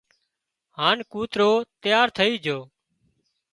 هانَ ڪوترو تيار ٿئي جھو